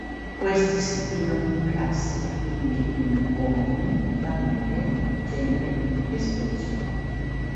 Questi si dividono in "classi", quindi in "ordini", "famiglie", "generi" e "specie".